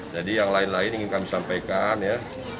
jadi yang lain lain ingin kami sampaikan ya